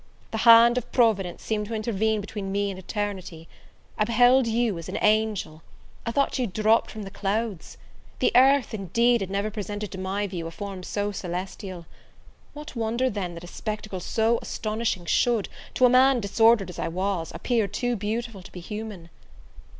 the hand of Providence seemed to intervene between me and eternity: I beheld you as an angel! I thought you dropt from the clouds! The earth, indeed, had never presented to my view a form so celestial! What wonder, then, that a spectacle so astonishing should, to a man disordered as I was, appear too beautiful to be human?